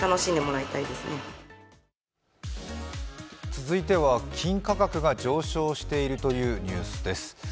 続いては金価格が上昇しているというニュースです。